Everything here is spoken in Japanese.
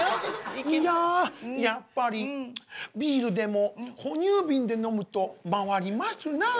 いややっぱりビールでも哺乳瓶で飲むと回りますなあ。